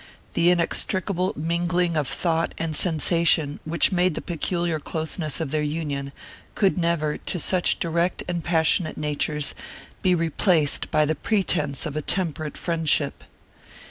The inextricable mingling of thought and sensation which made the peculiar closeness of their union could never, to such direct and passionate natures, be replaced by the pretense of a temperate friendship.